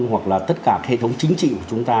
hoặc là tất cả hệ thống chính trị của chúng ta